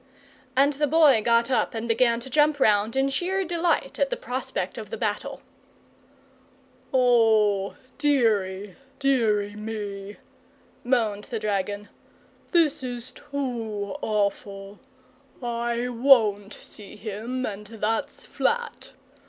And the Boy got up and began to jump round in sheer delight at the prospect of the battle. "O deary, deary me," moaned the dragon; "this is too awful. I won't see him, and that's flat.